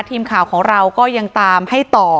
ทีมข่าวของเราก็ยังตามให้ต่อ